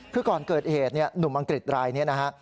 คือก่อนเกิดเหตุเนี่ยหนุ่มอังกฤษรายนี้นะฮะ